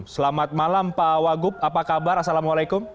selamat malam pak wagub apa kabar assalamualaikum